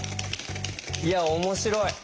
いや面白い。